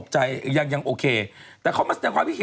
ฉันก็แดนได้